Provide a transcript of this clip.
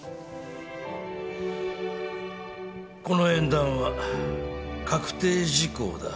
この縁談は確定事項だ。